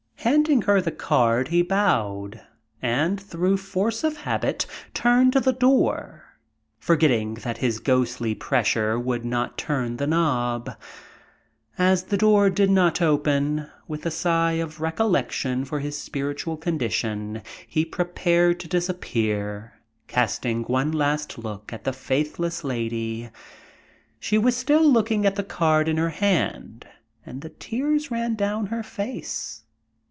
Handing her the card he bowed, and, through force of habit, turned to the door, forgetting that his ghostly pressure would not turn the knob. As the door did not open, with a sigh of recollection for his spiritual condition, he prepared to disappear, casting one last look at the faithless Lady. She was still looking at the card in her hand, and the tears ran down her face.